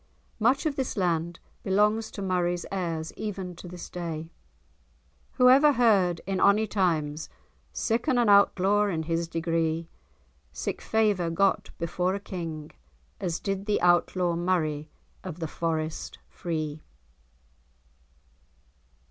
Much of this land belongs to Murray's heirs, even to this day. "Wha ever heard in, in ony times, Sicken an outlaw in his degré, Sic favour got befor a King, As did the Outlaw Murray of the Foreste free?"